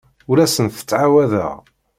Ur asent-ttɛawadeɣ.